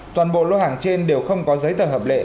toàn bộ lô hàng trên đều không có giấy tờ hợp lệ